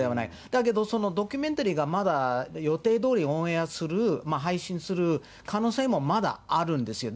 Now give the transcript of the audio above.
だけどそのドキュメンタリーがまだ予定どおりオンエアする、配信する可能性もまだあるんですよ。